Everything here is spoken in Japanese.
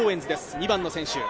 ２番の選手。